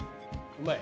うまい？